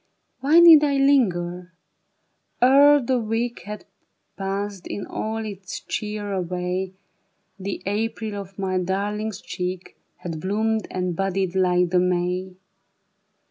Why need I linger ? Ere the week Had passed in all its cheer away, The April of my darling's cheek Had bloomed and budded like the May.